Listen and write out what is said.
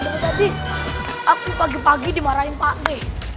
tadi tadi aku pagi pagi dimarahin pak deh